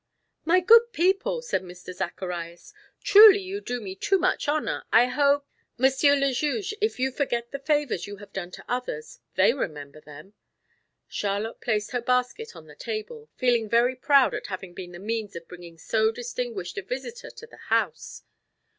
"My good people," said Mr. Zacharias, "truly you do me too much honor I hope " "Monsieur le Juge, if you forget the favors you have done to others, they remember them." Charlotte placed her basket on the table, feeling very proud at having been the means of bringing so distinguished a visitor to the house.